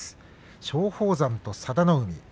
松鳳山と佐田の海。